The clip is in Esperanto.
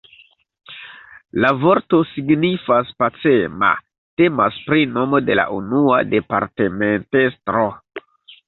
La vorto signifas pacema, temas pri nomo de la unua departementestro.